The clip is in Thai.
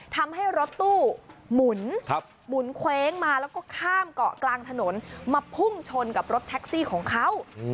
ทำให้รถตู้หมุนหมุนเคว้งมาแล้วก็ข้ามเกาะกลางถนนมาพุ่งชนกับรถแท็กซี่ของเขา